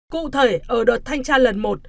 cụ thể ở đợt thanh tra lần một